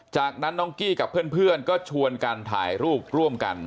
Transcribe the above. จากนั้นน้องกี้กับเพื่อนก็ชวนกันถ่ายรูปร่วมกัน